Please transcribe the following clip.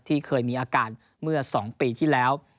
ที่เคยมีอาการเมื่อ๒ปีที่แล้ว